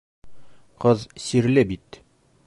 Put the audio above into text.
Ҡыҙ сирле бит.